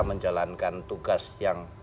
menjalankan tugas yang